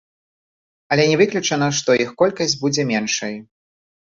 Але не выключана, што іх колькасць будзе меншай.